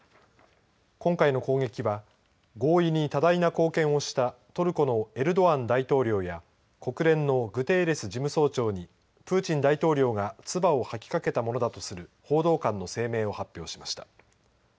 今回の攻撃は合意に多大な貢献をしたトルコのエルドアン大統領や国連のグテーレス事務総長にプーチン大統領が唾を吐きかけたものだとする報道官の声明を発表しました。